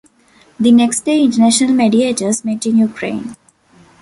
The next day international mediators met in Ukraine.